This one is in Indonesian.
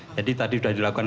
jadi tadi sudah dilakukan